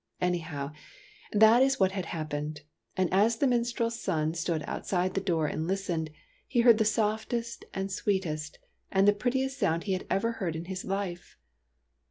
Anyhow, that is what had happened; and as the min strel's son stood outside the door and listened, he heard the softest and the sweetest and the prettiest sound he had ever heard in his life.